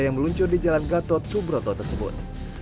yang meluncur di jalan gatot subroto tersebut